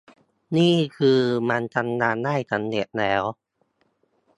นี่คือมันทำงานได้สำเร็จแล้ว